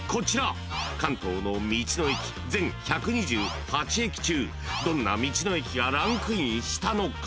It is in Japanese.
［関東の道の駅全１２８駅中どんな道の駅がランクインしたのか？］